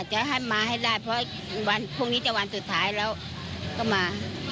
จะให้มาให้ได้เพราะวันพรุ่งนี้จะวันสุดท้ายแล้วก็มา